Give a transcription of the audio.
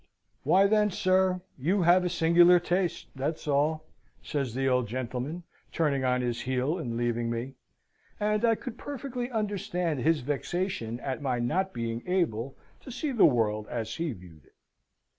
"Why then, sir, you have a singular taste, that's all," says the old gentleman, turning on his heel and leaving me. And I could perfectly understand his vexation at my not being able to see the world as he viewed it.